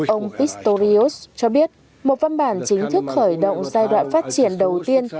ông pistorius cho biết một văn bản chính thức khởi động giai đoạn phát triển đầu tiên